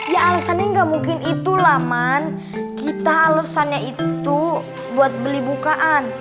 ya alesannya gak mungkin itulah man kita alesannya itu buat beli bukaan